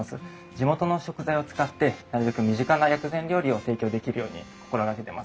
地元の食材を使ってなるべく身近な薬膳料理を提供できるように心がけてます。